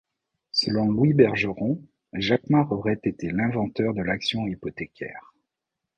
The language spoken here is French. Selon Louis Bergeron, Jacquemart aurait été l'inventeur de l'action hypothécaire.